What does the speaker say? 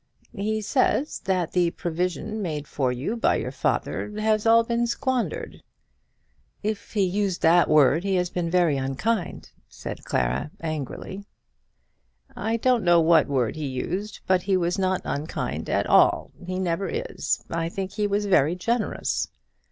"He says that the provision made for you by your father has all been squandered." "If he used that word he has been very unkind," said Clara, angrily. "I don't know what word he used, but he was not unkind at all; he never is. I think he was very generous."